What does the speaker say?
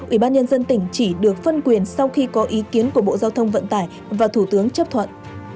ubnd tỉnh chỉ được phân quyền sau khi có ý kiến của bộ giao thông vận tải và thủ tướng chấp thuận